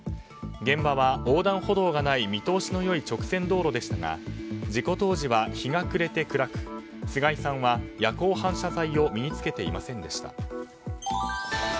現場は、横断歩道がない見通しの良い直線道路でしたが事故当時は日が暮れて暗く菅井さんは夜光反射材を身に着けていませんでした。